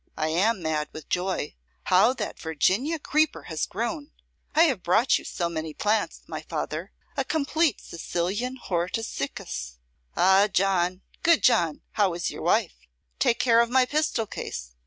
I am mad with joy. How that Virginian creeper has grown! I have brought you so many plants, my father! a complete Sicilian Hortus Siccus. Ah, John, good John, how is your wife? Take care of my pistol case.